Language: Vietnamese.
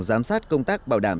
giám sát công tác bảo đảm